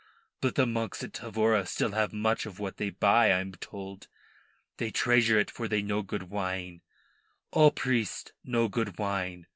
But the monks at Tavora still have much of what they buy, I am told. They treasure it for they know good wine. All priests know good wine.